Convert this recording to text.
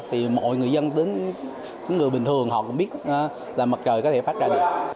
thì mọi người dân đến những người bình thường họ cũng biết là mặt trời có thể phát ra được